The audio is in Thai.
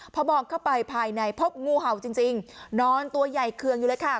พอมองเข้าไปภายในพบงูเห่าจริงนอนตัวใหญ่เคืองอยู่เลยค่ะ